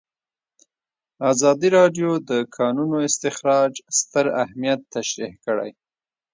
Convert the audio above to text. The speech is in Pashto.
ازادي راډیو د د کانونو استخراج ستر اهميت تشریح کړی.